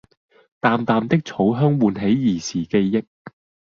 淡淡的草香喚起兒時記憶